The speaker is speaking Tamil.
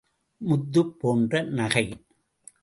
முத்துப் போன்ற நகை.